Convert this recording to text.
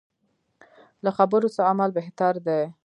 له خبرو څه عمل بهتر دی.